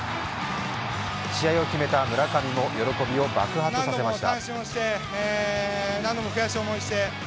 試合を決めた村上も喜びを爆発させました。